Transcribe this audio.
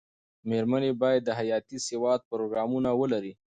مېرمنې باید د حياتي سواد پروګرامونه ولري.